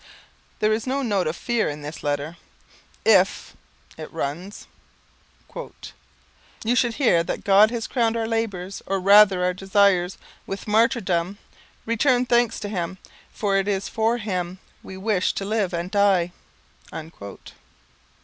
There is no note of fear in this letter. 'If,' it runs, 'you should hear that God has crowned our labours, or rather our desires, with martyrdom, return thanks to Him, for it is for Him we wish to live and die.'